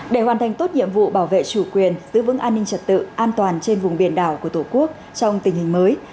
để hoàn thành tốt nhiệm vụ bảo vệ chủ quyền giữ vững an ninh trật tự an toàn trên vùng biển đảo của tổ quốc trong tình hình mới